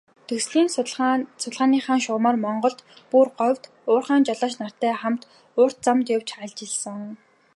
Төслийн судалгааныхаа шугамаар Монголд, бүр говьд уурхайн жолооч нартай хамт урт замд явж ажилласан.